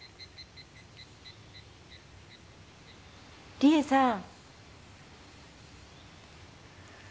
理恵さん。